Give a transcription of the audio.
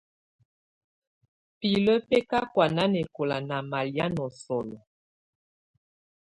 Pilǝ́ bɛ̀ ka kɔ̀́á nanɛkɔla nà malɛ̀á nà solo.